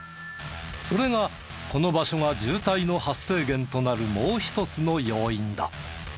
それがこの場所が渋滞の発生源となるもう一つの要因だ。